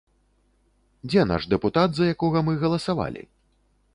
Дзе наш дэпутат, за якога мы галасавалі?